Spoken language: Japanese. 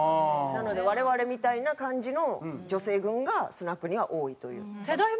なので我々みたいな感じの女性軍がスナックには多いという。